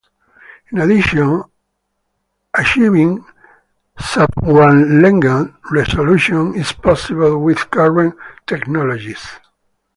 In addition, achieving subwavelength resolution is possible with current technologies.